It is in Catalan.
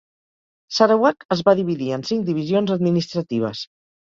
Sarawak es va dividir en cinc divisions administratives.